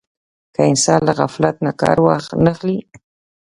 که انسان له غفلت نه کار وانه خلي.